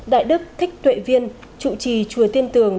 đại đức thích tuệ viên chủ trì chùa tiên tường